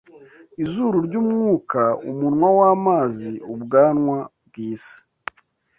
izuru ryumwuka, umunwa wamazi, ubwanwa bwisi